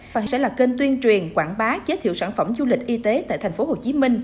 và sẽ là kênh tuyên truyền quảng bá giới thiệu sản phẩm du lịch y tế tại tp hcm